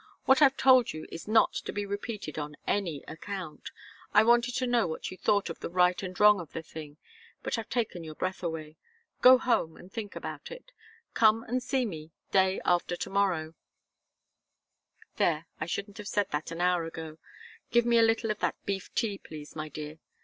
What I've told you is not to be repeated on any account. I wanted to know what you thought of the right and wrong of the thing but I've taken your breath away. Go home and think about it. Come and see me day after to morrow there, I shouldn't have said that an hour ago give me a little of that beef tea, please, my dear.